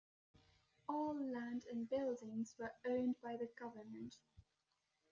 All land and buildings were owned by the government.